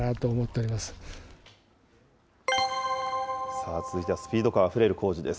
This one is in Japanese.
さあ、続いてはスピード感あふれる工事です。